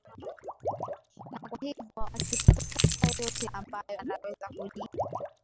na kwa hivyo akipata fursa yoyote ambayo anaweza kuji